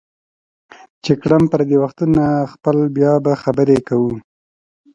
چې کړم پردي وختونه خپل بیا به خبرې کوو